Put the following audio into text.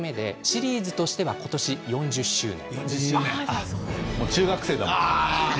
シリーズとしては今年４０周年。